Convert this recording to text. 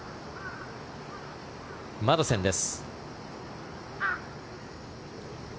マドセンです。